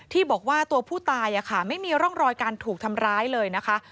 ที่บอกว่าตัวผู้ตายไม่มีร่องรอยการถูกทำร้ายเลยนะคะ